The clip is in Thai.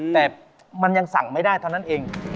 แต่มันยังสั่งไม่ได้เท่านั้นเอง